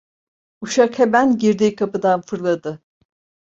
Uşak hemen girdiği kapıdan fırladı.